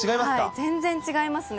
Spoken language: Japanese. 全然違いますね。